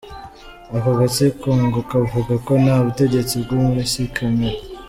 Ako gatsiko ngo kavuga ko nta butegetsi bwo mu isi kemera.